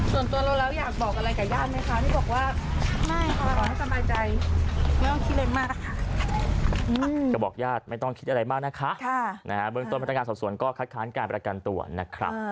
จะบอกญาติอย่างไรบ้างนะฮะนะฮะบุญตัวประกันงานสับสนก็คัดคล้านการประกันตัวนะครับ